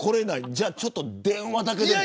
じゃあちょっと電話だけでも。